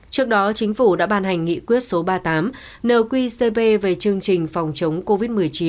trước đó chính phủ đã bàn hành nghị quyết số ba mươi tám nờ quy cp về chương trình phòng chống covid một mươi chín